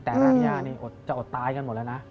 แต่ร้านนี้อดจะอดตายกันหมดแล้วนะ